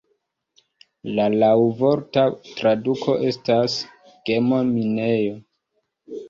La laŭvorta traduko estas "gemo-minejo".